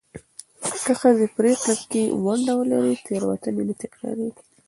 که ښځې پرېکړه کې ونډه ولري، تېروتنې نه تکرارېږي.